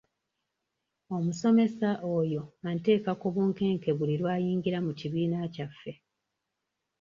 Omusomesa oyo anteeka ku bunkenke buli lw'ayingira mu kibiina kyaffe.